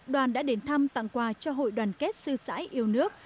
đoàn đã đến thăm tặng quà cho hội đoàn kết sư sãi yêu nước